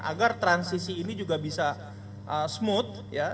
agar transisi ini juga bisa smooth